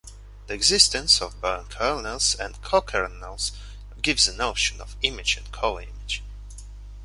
The existence of both kernels and cokernels gives a notion of image and coimage.